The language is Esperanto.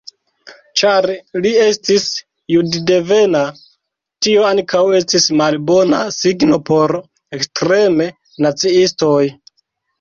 Ĉar li estis juddevena, tio ankaŭ estis malbona signo por la ekstreme naciistoj.